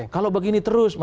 kalau begini terus mas verdi